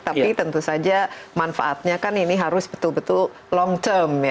tapi tentu saja manfaatnya kan ini harus betul betul long term ya